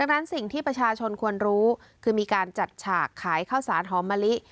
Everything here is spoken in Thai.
แล้วจากนั้นมีการจัดฉากขายข้าวสารหอมลิ